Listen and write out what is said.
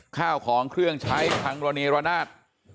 ข้าวของเครื่องใช้ทางรณีรนาศ